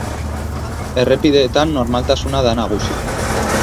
Errepideetan normaltasuna da nagusi.